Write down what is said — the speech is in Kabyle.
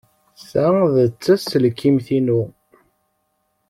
Ta d taselkimt-inu.